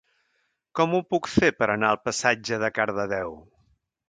Com ho puc fer per anar al passatge de Cardedeu?